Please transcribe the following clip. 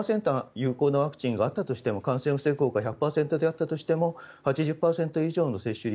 有効なワクチンがあったとしても感染を防ぐ効果が１００％であったとしても８０％以上の接種率。